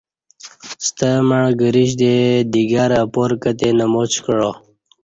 ستمع گریش دے دیگر اپار کتے نماچ کعہ